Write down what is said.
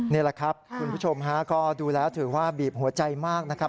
นี่แหละครับคุณผู้ชมฮะก็ดูแล้วถือว่าบีบหัวใจมากนะครับ